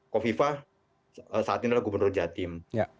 kofifah saat ini adalah gubernur jatim